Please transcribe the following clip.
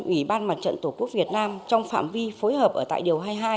ủy ban mặt trận tổ quốc việt nam trong phạm vi phối hợp ở tại điều hai mươi hai